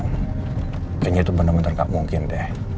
kayaknya tuh bener bener gak mungkin deh